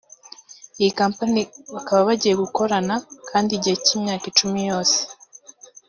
iyi Company bakaba bagiye gukorana kandi igihe k’imyaka icumi yose